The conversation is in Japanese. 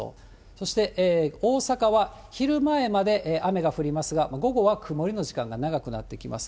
そして、大阪は昼前まで雨が降りますが、午後は曇りの時間が長くなってきます。